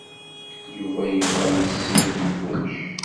Yuba yebɣa ad yessinef i kullec.